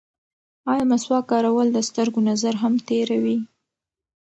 ایا مسواک کارول د سترګو نظر هم تېروي؟